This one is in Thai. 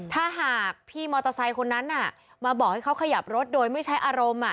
ถ้าหากพี่มอเตอร์ไซค์คนนั้นมาบอกให้เขาขยับรถโดยไม่ใช้อารมณ์